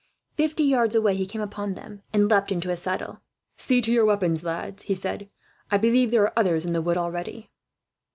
Fifty yards away he came upon them, and leapt into his saddle. "See to your weapons, lads," he said. "I believe there are others in the wood already."